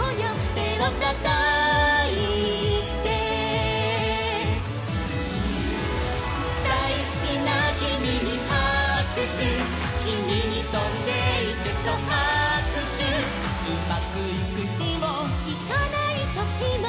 「てをたたいて」「だいすきなキミにはくしゅ」「キミにとんでいけとはくしゅ」「うまくいくひも」「いかないときも」